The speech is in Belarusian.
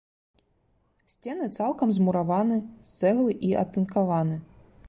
Сцены цалкам змураваны з цэглы і атынкаваны.